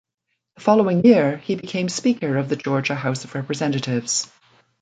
The following year, he became Speaker of the Georgia House of Representatives.